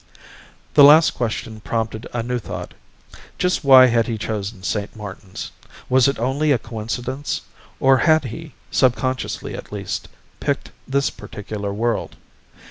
The last question prompted a new thought. Just why had he chosen St. Martin's? Was it only a coincidence? Or had he, subconsciously at least, picked this particular world?